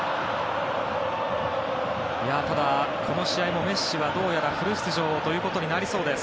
ただ、この試合もメッシはどうやらフル出場ということになりそうです。